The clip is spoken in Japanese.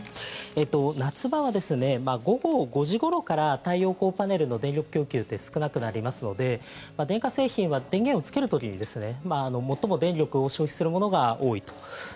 夏場は午後５時ごろから太陽光パネルの電力供給って少なくなりますので電化製品は電源をつける時に最も電力を消費するものが多いと。